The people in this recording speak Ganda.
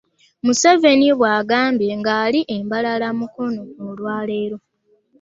Museveni bw'agambye ng'ali e Mbalala mu Mukono olwa leero